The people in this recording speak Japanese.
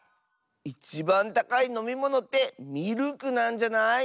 いちばんたかいのみものってミルクなんじゃない？